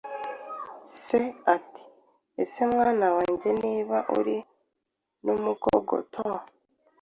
Se, ati: Ese mwana wange niba uri n’umukogoto,